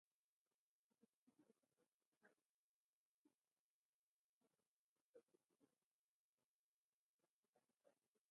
لم يتمكن توم من إخفاء دهشته.